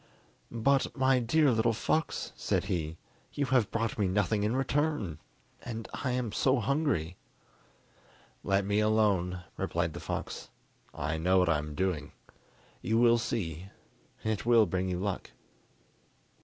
"But, my dear little fox," said he, "you have brought me nothing in return, and I am so hungry!" "Let me alone," replied the fox; "I know what I am doing. You will see, it will bring you luck."